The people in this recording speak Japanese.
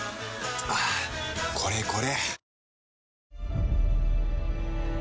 はぁこれこれ！